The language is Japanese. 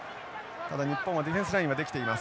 ただ日本はディフェンスラインはできています。